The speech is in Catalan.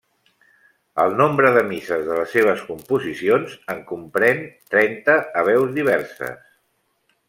El nombre de misses de les seves composicions en comprèn trenta a veus diverses.